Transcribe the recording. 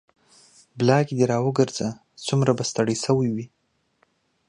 بلاګي د راوګرځه سومره به ستړى شوى وي